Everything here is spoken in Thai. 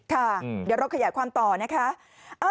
ค่ะเดี๋ยวเราขยายความต่อนะคะ